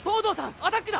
アタックだ！